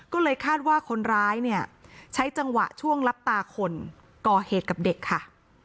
ก็เลยคาดว่าคนร้ายเนี่ยใช้จังหวะช่วงลับตาคนก่อเหตุกับเด็กค่ะ